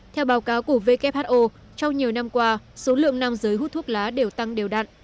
theo báo cáo của who trong nhiều năm qua số lượng nam giới hút thuốc lá đều tăng đều đặn